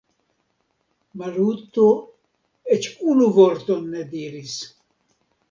Maluto eĉ unu vorton ne diris.